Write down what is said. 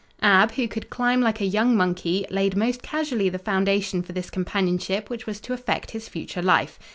Ab, who could climb like a young monkey, laid most casually the foundation for this companionship which was to affect his future life.